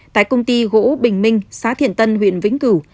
tại công ty gỗ bình minh xã thiện tân huyện vĩnh cửu